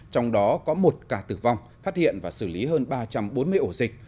trong đó có một ca tử vong phát hiện và xử lý hơn ba trăm bốn mươi ổ dịch